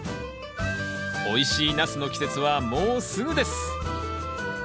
おいしいナスの季節はもうすぐです！